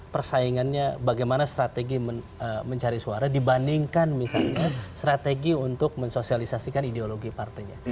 persaingannya bagaimana strategi mencari suara dibandingkan misalnya strategi untuk mensosialisasikan ideologi partainya